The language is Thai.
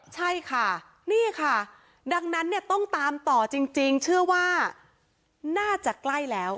ใช่ค่ะนี่ค่ะดังนั้นเนี่ยต้องตามต่อจริงเชื่อว่าน่าจะใกล้แล้ว